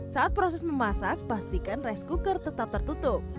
saat proses memasak pastikan rice cooker tetap tertutup